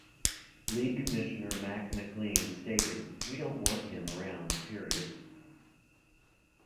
League commissioner Mac MacLean stated "We don't want him around period".